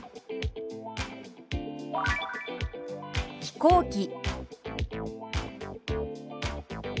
「飛行機」。